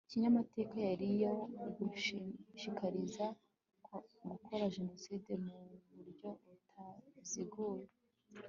kinyamateka yari iyo gushishikariza gukora jenoside mu buryo butaziguye